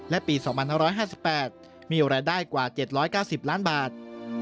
และปี๒๕๕๘มีรายได้กว่า๗๙๐ล้านบาท